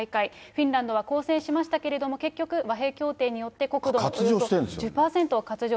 フィンランドは交戦しましたけれども、結局、和平協定によって、国土のおよそ１０％を割譲。